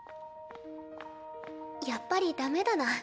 やっぱりダメだな。